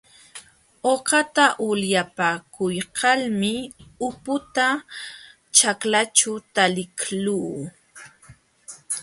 Uqata ulyapakuykalmi ulputa ćhaklaćhu taliqluu.